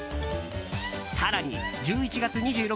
更に１１月２６日